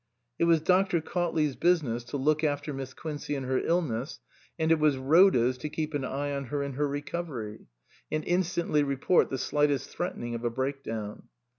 It was Dr. Cautley's business to look 283 SUPERSEDED after Miss Quincey in her illness, and it was Rhoda's to keep an eye on her in her recovery, and instantly report the slightest threatening of a break down.